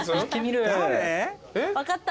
分かった。